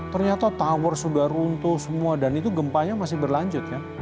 ternyata tower sudah runtuh semua dan itu gempanya masih berlanjut kan